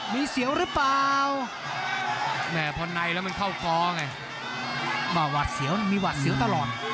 มีเสียวหรือเปล่าแม่พอในแล้วมันเข้ากอไงมาหวัดเสียวมีหวัดเสียวตลอด